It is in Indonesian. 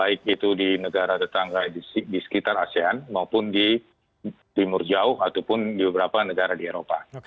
baik itu di negara tetangga di sekitar asean maupun di timur jauh ataupun di beberapa negara di eropa